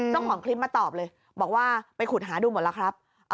เจ้าของคลิปมาตอบเลยบอกว่าไปขุดหาดูหมดแล้วครับ